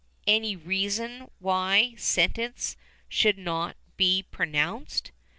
Any reason ... why ... sentence ... should not be pronounced?"